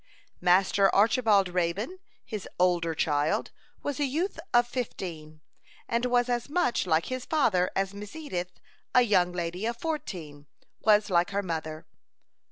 Master Archibald Raybone, his older child, was a youth of fifteen, and was as much like his father as Miss Edith, a young lady of fourteen, was like her mother.